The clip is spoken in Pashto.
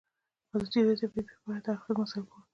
ازادي راډیو د طبیعي پېښې په اړه د هر اړخیزو مسایلو پوښښ کړی.